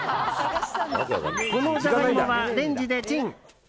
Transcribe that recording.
このジャガイモはレンジでチン。